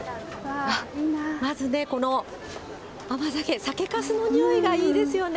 まずね、この甘酒、酒かすの匂いがいいですよね。